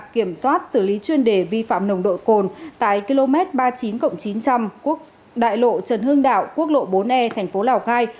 kiểm soát xử lý chuyên đề vi phạm nồng độ cồn tại km ba mươi chín chín trăm linh đại lộ trần hương đạo quốc lộ bốn e thành phố lào cai